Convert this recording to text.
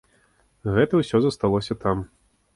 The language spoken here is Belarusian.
Гэта ўсё засталося там.